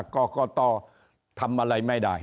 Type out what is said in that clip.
ก่อก่อต่อทำอะไรไม่ได้